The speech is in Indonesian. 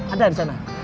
ada di sana